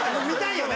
見たい。